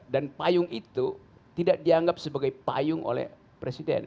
dan payung itu tidak dianggap sebagai payung oleh presiden